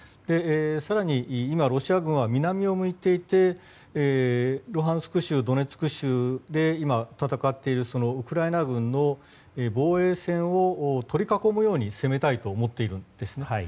更に、今ロシア軍は南を向いていてルハンスク州、ドネツク州で今、戦っているウクライナ軍の防衛線を取り囲むように攻めたいと思っているんですね。